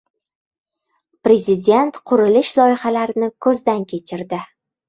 Prezident qurilish loyihalarini ko‘zdan kechirdi